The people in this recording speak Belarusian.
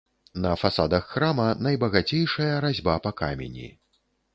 На фасадах храма найбагацейшая разьба па камені.